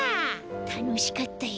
たのしかったよ。